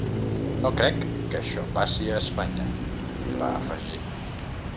No crec que això passi a Espanya, va afegir.